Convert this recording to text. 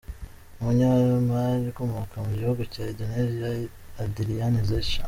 Umunyemari ukomoka mu gihugu cya Indonesia, Adiriyani Zecha.